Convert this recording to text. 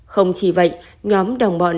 không chỉ vậy nhóm đồng bọn